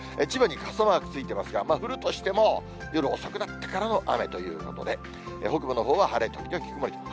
千葉に傘マークついてますが、降るとしても夜遅くなってからの雨ということで、北部のほうは晴れ時々曇り。